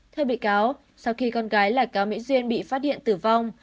theo bị cáo sau khi con gái là cá mỹ duyên bị phát hiện tử vong